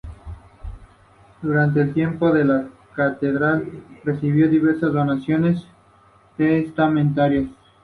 Durante este tiempo la catedral recibió diversas donaciones testamentarias.